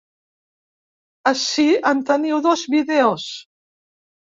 Ací en teniu dos vídeos.